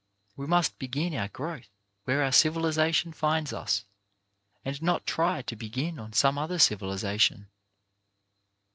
We must begin our growth where our civilization finds us, and not try to begin on some other civilization